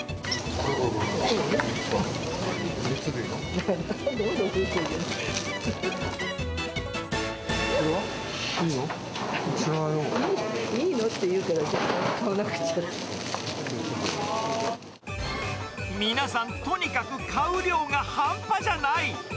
これは？いいの？って言うから、皆さん、とにかく買う量が半端じゃない。